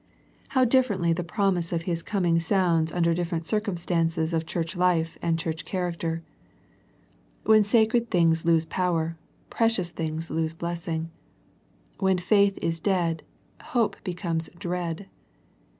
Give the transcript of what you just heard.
How differently the promise of The Sardis Letter 145 His coming sounds under different circum stances of Church life and Church character. When sacred things lose power, precious things lose blessing. When faith is dead, hope be comes dread.